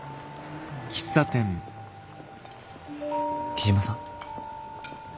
木嶋さん？